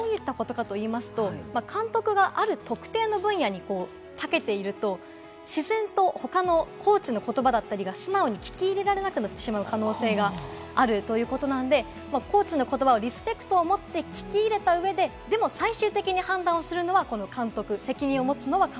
どういったことかと言いますと、監督がある特定の分野に長けていると、自然と他のコーチの言葉だったりが、素直に聞き入れられなくなってしまう可能性があるということなので、コーチの言葉をリスペクトを持って聞き入れた上で、でも最終的に判断するのは監督。